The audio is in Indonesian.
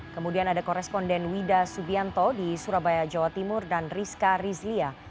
kemudian ada koresponden wida subianto di surabaya jawa timur dan rizka rizlia